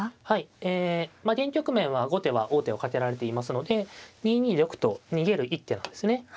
はいえまあ現局面は後手は王手をかけられていますので２二玉と逃げる一手なんですね。